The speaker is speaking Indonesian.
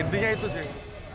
intinya itu sih